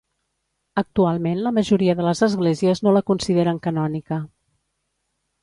Actualment la majoria de les esglésies no la consideren canònica.